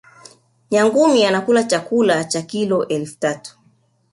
nyangumi anakula chakula cha kilo elfu tatu